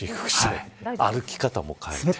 歩き方も変えて。